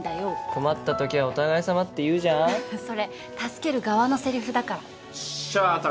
「困った時はお互いさま」って言うじゃんそれ助ける側のセリフだからよっしゃ拓